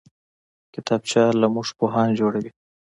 کتابچه له موږ پوهان جوړوي